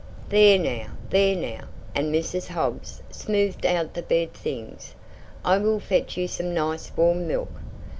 "There now, there now!" and Mrs. Hobbs smoothed out the bed things. "I will fetch you some nice, warm milk.